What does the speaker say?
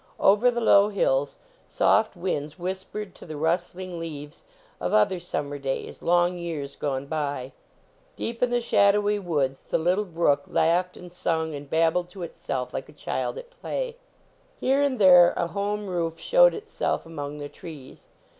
Over the low hills soft winds whispered to tin rustling leaves of other sum mer days, long years gone by. Deep in the shadowy woods the little brook laughed and sung and babbled to itself like a child at play. 9 129 THE BATTLE OF ARDMORE Here and there a home roof showed itself among the trees.